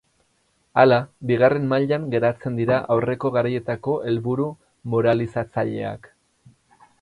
Hala, bigarren mailan geratzen dira aurreko garaietako helburu moralizatzaileak.